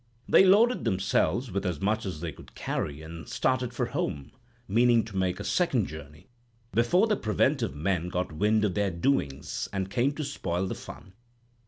They loaded themselves with as much as they could carry, and started for home, meaning to make a second journey before the preventive men got wind of their doings, and came to spoil the fun.